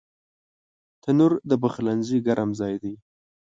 تنور د پخلنځي ګرم ځای دی